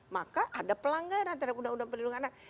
maka ada pelanggaran terhadap undang undang perlindungan anak